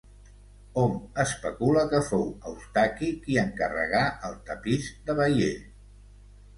Hom especula que fou Eustaqui qui encarregà el Tapís de Bayeux.